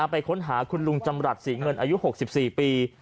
ไปค้นหาคุณลุงจำรัฐศรีเงินอายุ๖๔ปี